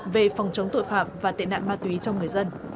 về phòng chống tội phạm và tiện nạn ma túy trong người dân